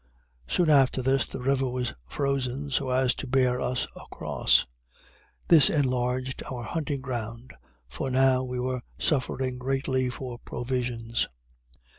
Soon after this the river was frozen so as to bear us across. This enlarged our hunting ground, for now we were suffering greatly for provisions.